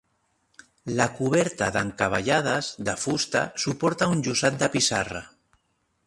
La coberta d'encavallades de fusta suporta un llosat de pissarra.